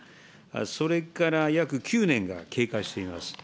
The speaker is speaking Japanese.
それから約９年が経過しています。